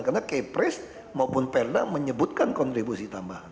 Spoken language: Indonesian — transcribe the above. karena kepres maupun perda menyebutkan kontribusi tambahan